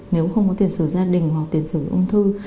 nếu không có tiền sử gia đình hoặc tiền sử ung thư